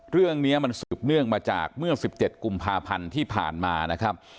เรื่องนี้มันสืบเนื่องมาจากเมื่อ๑๗กุมภาพันธ์ที่ผ่านมานะครับ